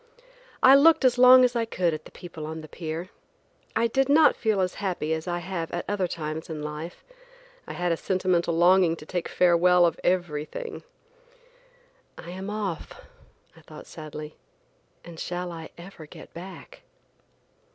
I looked as long as I could at the people on the pier. I did not feel as happy as I have at other times in life. I had a sentimental longing to take farewell of everything. "I am off," I thought sadly, "and shall I ever get back?"